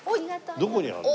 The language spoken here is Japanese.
どこにあるの？